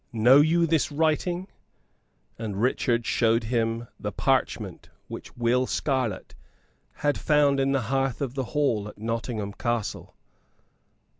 Know you this writing?" And Richard showed him the parchment which Will Scarlett had found in the hearth of the hall at Nottingham Castle.